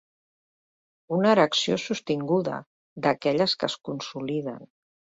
Una erecció sostinguda, d'aquelles que es consoliden.